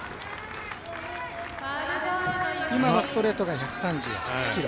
今のストレートが１３８キロ。